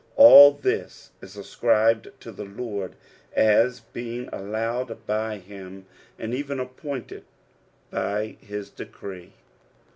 Alt thu is ascribed to the Lord, as being allowed by him, and even appointed by his decree.